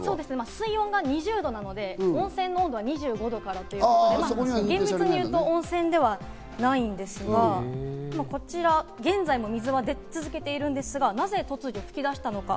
水温が２０度なので、温泉は２５度以上となるので厳密に言うと温泉ではないんですが、現在も水は出続けているんですが、なぜ突如噴き出したのか？